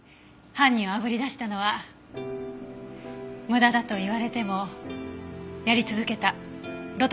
犯人をあぶり出したのは無駄だと言われてもやり続けた呂太くんの鑑定です。